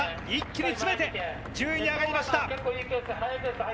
一気に詰めて１０位に上がりました。